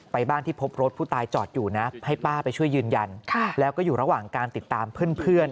บ้านที่พบรถผู้ตายจอดอยู่นะให้ป้าไปช่วยยืนยันแล้วก็อยู่ระหว่างการติดตามเพื่อน